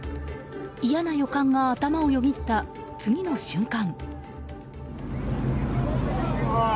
嫌な予感が頭をよぎった次の瞬間。